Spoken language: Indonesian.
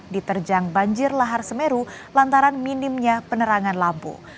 diterjang banjir lahar semeru lantaran minimnya penerangan lampu